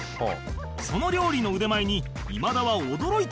その料理の腕前に今田は驚いたという